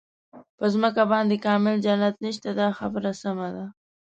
په ځمکه باندې کامل جنت نشته دا خبره سمه ده.